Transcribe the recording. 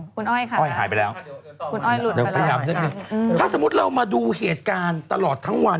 คุณอ้อยค่ะอ้อยหายไปแล้วคุณอ้อยหลุดไปแล้วถ้าสมมติเรามาดูเหตุการณ์ตลอดทั้งวัน